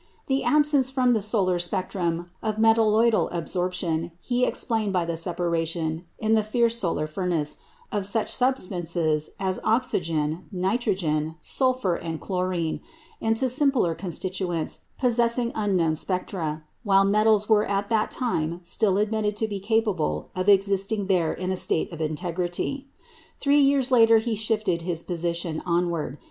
The absence from the solar spectrum of metalloidal absorption he explained by the separation, in the fierce solar furnace, of such substances as oxygen, nitrogen, sulphur, and chlorine, into simpler constituents possessing unknown spectra; while metals were at that time still admitted to be capable of existing there in a state of integrity. Three years later he shifted his position onward.